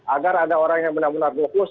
agar ada orang yang benar benar fokus